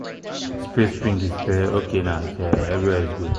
Paved streets and central water and sewer serve all lots developed within the plan.